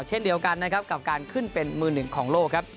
เช่นเดียวกันนะครับกับการขึ้นเป็นมือหนึ่งของโลกครับ